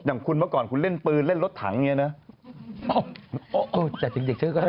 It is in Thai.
อย่างคุณเมื่อก่อนคุณเล่นปืนเล่นรถถังอย่างนี้นะ